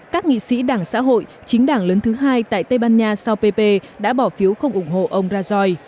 các nghị sĩ đảng xã hội chính đảng lớn thứ hai tại tây ban nha sau ppp đã bỏ phiếu không ủng hộ ông rajoy